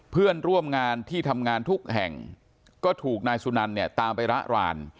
เพื่อนร่วมงานที่ทำงานทุกแห่งก็ถูกนายสุนันเนี่ยตามไประราน